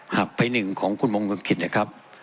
หักไปหนึ่งของคุณมงคลกิจนะครับ